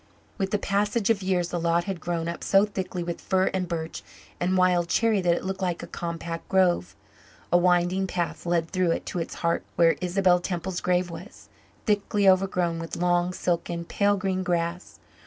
With the passage of years the lot had grown up so thickly with fir and birch and wild cherry that it looked like a compact grove. A winding path led through it to its heart where Isabel Temple's grave was, thickly overgrown with long, silken, pale green grass.